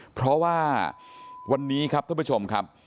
เพราะว่าวันนี้ครับท่านผู้ชมครับ